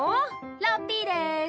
ラッピーです！